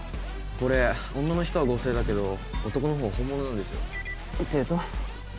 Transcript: これ女の人は合成だけど男のほうは本物なんですよっていうと？